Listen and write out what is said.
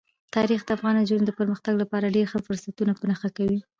تاریخ د افغان نجونو د پرمختګ لپاره ډېر ښه فرصتونه په نښه کوي.